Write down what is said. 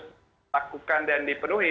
dilakukan dan dipenuhi